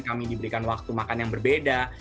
kami diberikan waktu makan yang berbeda